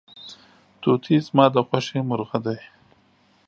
توتي زما د خوښې مرغه دی.